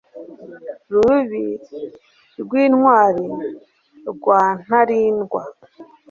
Rubibi rwintwali rwa Ntalindwa